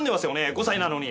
５歳なのに！